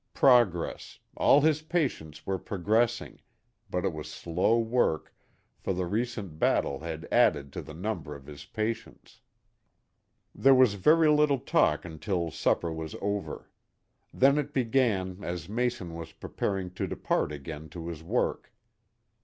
Progress all his patients were progressing, but it was slow work, for the recent battle had added to the number of his patients. There was very little talk until supper was over. Then it began as Mason was preparing to depart again to his work.